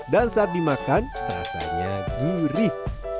dan saat dimakan rasanya gurih